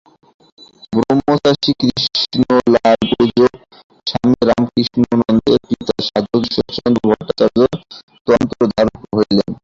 ব্রহ্মচারী কৃষ্ণলাল পূজক, স্বামী রামকৃষ্ণানন্দের পিতা সাধক ঈশ্বরচন্দ্র ভট্টাচার্য তন্ত্রধারক হইলেন।